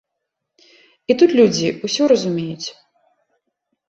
І тут людзі ўсё разумеюць.